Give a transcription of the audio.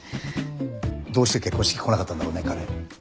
どうして結婚式来なかったんだろうね彼。